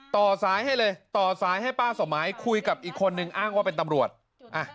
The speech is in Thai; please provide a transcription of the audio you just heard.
ต่อสายให้เลยต่อสายให้ป้าสมหมายคุยกับอีกคนนึงอ้างว่าเป็นตำรวจอ่ะ